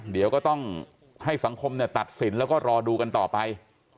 เดี๋ยวก็ต้องให้สังคมตัดสินแล้วก็รอดูกันต่อไป